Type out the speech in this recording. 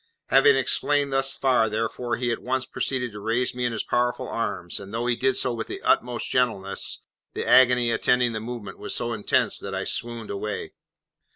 Having explained thus far, therefore, he at once proceeded to raise me in his powerful arms; and though he did so with the utmost gentleness, the agony attending the movement was so intense that I swooned away.